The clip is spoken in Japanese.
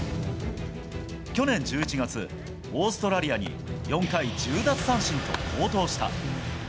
去年１１月、オーストラリアに４回１０奪三振と好投した。